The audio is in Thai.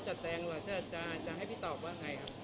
จัดแจงคือให้คุณบรรณจัดแจงว่าจะให้พี่ตอบว่าไงครับ